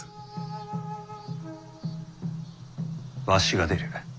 わしが出る。